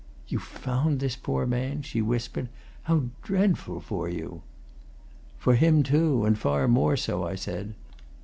"You found this poor man?" she whispered. "How dreadful for you!" "For him, too and far more so," I said.